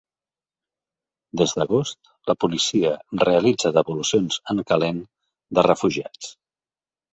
Des d’agost, la policia realitza devolucions en calent de refugiats.